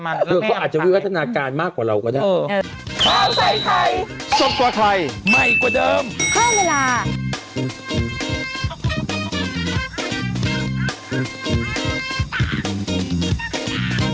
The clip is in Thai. ค่ะค่ะคือที่การขายของนอกค่ะ